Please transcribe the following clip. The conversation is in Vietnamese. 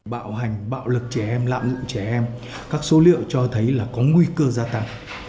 bạo hành bạo lực trẻ em lạm dụng trẻ em các số liệu cho thấy là có nguy cơ gia tăng